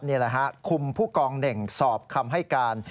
นี่แหละฮะคุมผู้กองเหน่งสอบคำให้การ